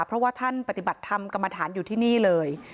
เพราะว่าท่านปฏิบัติธรรมกรรมฐานอยู่ที่นี่เลย